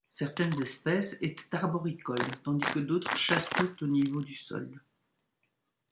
Certaines espèces étaient arboricoles, tandis que d'autres chassaient au niveau du sol.